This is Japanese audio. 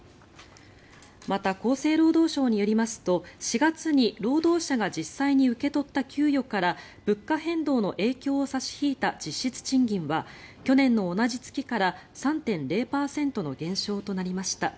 また、厚生労働省によりますと４月に、労働者が実際に受け取った給与から物価変動の影響を差し引いた実質賃金は去年の同じ月から３．０％の減少となりました。